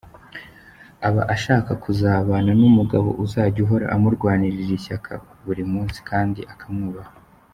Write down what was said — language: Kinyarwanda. Aba ashaka kuzabana n’umugabo uzajya ahora amurwanira ishyaka buri munsi kandi akamwubaha.